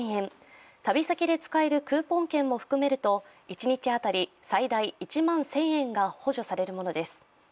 旅先で使えるクーポン券も含めると一日当たり最大１万１０００円が補助されるものです。